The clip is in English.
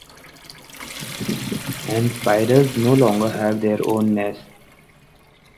And spiders no longer have their own nests.